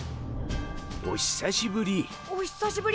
お久しぶり。